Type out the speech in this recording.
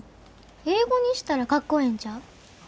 英語にしたらかっこええんちゃう？